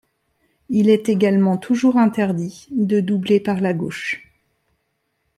Il est également toujours interdit de doubler par la gauche.